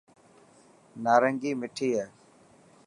نارنگي مٺي هي.